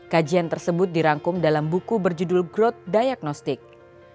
kajian tersebut dirangkum dalam buku berjudul growth diagnostic